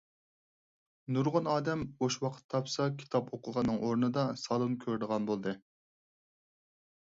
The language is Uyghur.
نۇرغۇن ئادەم بوش ۋاقىت تاپسا كىتاپ ئوقۇغاننىڭ ئورنىدا سالۇن كۆرىدىغان بولدى.